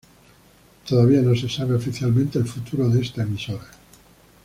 Todavía no se sabe oficialmente el futuro de esta emisora.